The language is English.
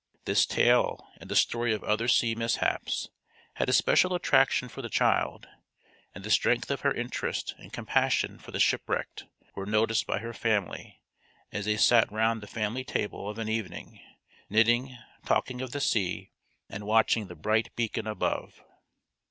This tale, and the story of other sea mishaps, had a special attraction for the child, and the strength of her interest and compassion for the shipwrecked were noticed by her family as they sat round the family table of an evening, knitting, talking of the sea and watching the bright beacon above.